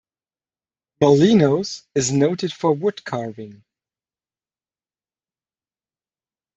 "Molinos" is noted for woodcarving.